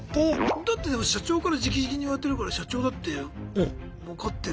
だってでも社長からじきじきに言われてるから社長だって分かってるのに。